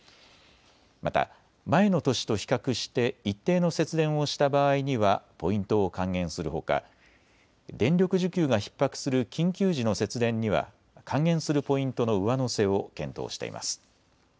また前の年と比較して一定の節電をした場合にはポイントを還元するほか電力需給がひっ迫する緊急時の節電には還元するポイントの上乗せを検討しています。